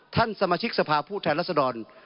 ท่านสมาชิกสภาพูดทางรัฐบาล